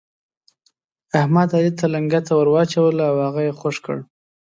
احمد، علي ته لنګته ور واچوله او هغه يې خوږ کړ.